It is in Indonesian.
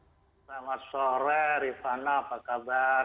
selamat sore rifana apa kabar